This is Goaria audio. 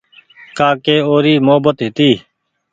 ڪآ ڪي اوري محبت هيتي